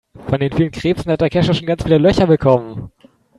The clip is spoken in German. Von den vielen Krebsen hat der Kescher schon ganz viele Löcher bekommen.